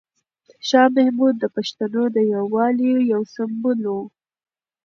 شاه محمود د پښتنو د یووالي یو سمبول و.